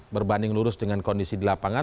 berbanding lurus dengan kondisi di lapangan